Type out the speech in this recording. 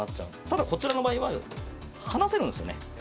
ただこちらの場合は離せるんですよね。